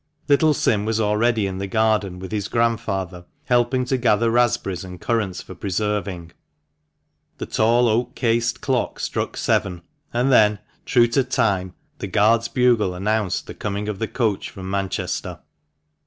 Little Sim was already in the garden with his grandfather, helping to gather raspberries and currants for preserving. The tall oak cased clock struck seven, and then, true to time, the guard's bugle announced the coming of the coach from Manchester.